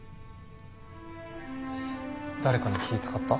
誰かに気使った？